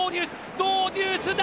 ドウデュースだ！